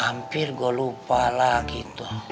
ampir gue lupa lagi tuh